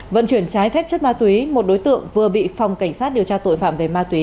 vận chuyển trái phép chất ma túy một đối tượng vừa bị phòng cảnh sát điều tra tội phạm về ma túy